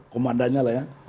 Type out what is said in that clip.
komandannya lah ya